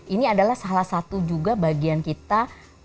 ini adalah salah satu juga bagian kita